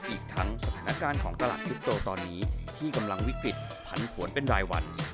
อีกทั้งสถานการณ์ของตลาดฮิปโตตอนนี้ที่กำลังวิกฤตผันผวนเป็นรายวัน